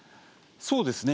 そうですね。